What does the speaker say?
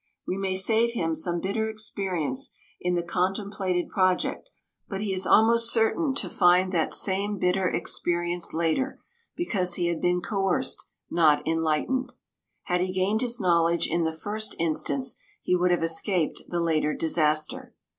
We may save him some bitter experience in the contemplated project, but he is almost certain to find that same bitter experience later, because he has been coerced, not enlightened. Had he gained his knowledge in the first instance, he would have escaped the later disaster.